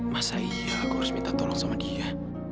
masa iya aku harus minta tolong sama dia